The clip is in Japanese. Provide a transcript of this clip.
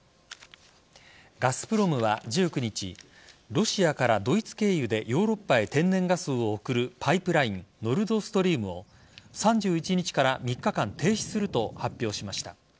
ガスプロムは１９日ロシアからドイツ経由でヨーロッパへ天然ガスを送るパイプラインノルドストリームを３１日から３日間停止すると発表しました。